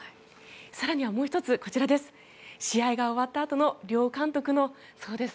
更にはもう１つ、こちらです。